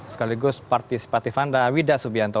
sekaligus partisipatif anda wida subianto